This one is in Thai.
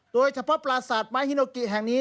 โดยเฉพาะปราสาทไม้ฮิโนกิแห่งนี้